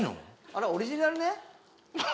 あらオリジナルね？